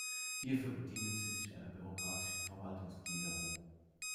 Hierfür bedienen sie sich einer bürokratischen Verwaltungsgliederung.